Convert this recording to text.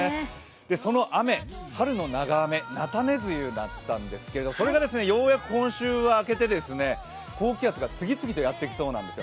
その雨、春の長雨・菜種梅雨だったんですけど、それがようやく今週は明けて高気圧が次々とやってきそうです。